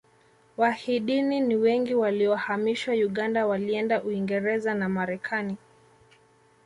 wahidni nwengi waliyohamishwa uganda walienda uingerez na marekani